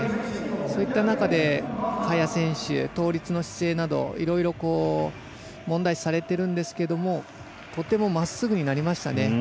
そういった中で萱選手、倒立の姿勢などいろいろ問題視されてるんですけどとてもまっすぐになりましたね。